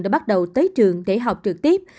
đã bắt đầu tới trường để học trực tiếp